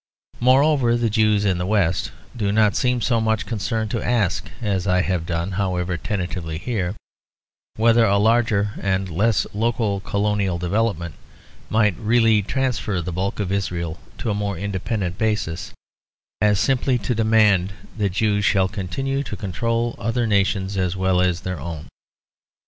Moreover, the Jews in the West do not seem so much concerned to ask, as I have done however tentatively here, whether a larger and less local colonial development might really transfer the bulk of Israel to a more independent basis, as simply to demand that Jews shall continue to control other nations as well as their own.